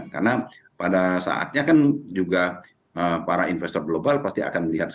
karena pada saatnya kan juga para investor global pasti akan melihat